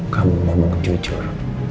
kamu mau mengujur